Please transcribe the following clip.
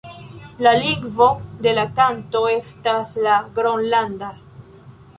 La lingvo de la kanto estas la gronlanda.